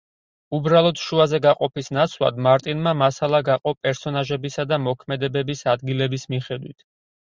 უბრალოდ შუაზე გაყოფის ნაცვლად, მარტინმა მასალა გაყო პერსონაჟებისა და მოქმედებების ადგილების მიხედვით.